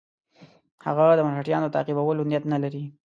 هغه د مرهټیانو تعقیبولو نیت نه لري.